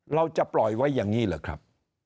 เราจะปล่อยไว้อย่างนี้เหรอครับ